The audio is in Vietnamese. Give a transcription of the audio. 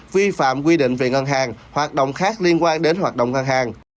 vi phạm quy định về ngân hàng hoạt động khác liên quan đến hoạt động ngân hàng